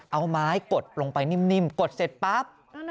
เอาไม้กดลงไปนิ่มกดเสร็จปั๊บ